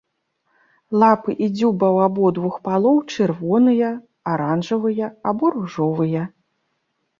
Лапы і дзюба ў абодвух палоў чырвоныя, аранжавыя або ружовыя.